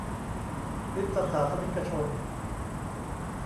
คริสตศาสนิกชน